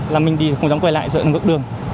là mình đi không dám quay lại sợ ngược đường